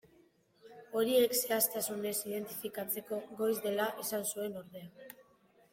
Horiek zehaztasunez identifikatzeko goiz dela esan zuen ordea.